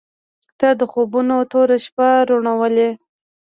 • ته د خوبونو توره شپه روڼولې.